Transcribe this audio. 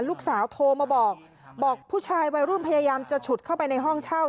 ลูกสาวโทรมาบอกบอกผู้ชายวัยรุ่นพยายามจะฉุดเข้าไปในห้องเช่า